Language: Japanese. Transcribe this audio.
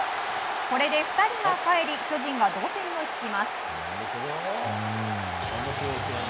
これで２人がかえり巨人が同点に追いつきます。